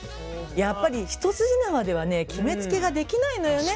やっぱり一筋縄ではね決めつけができないのよね。